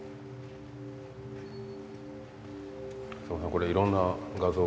これいろんな画像が。